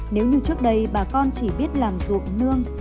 nếu như trước đây bà con chỉ biết làm ruộng nương